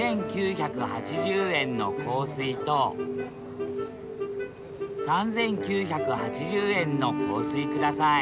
２，９８０円の香水と３，９８０円の香水ください